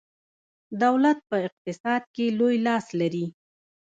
دولت په اقتصاد کې لوی لاس لري.